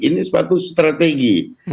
ini sepatu strategi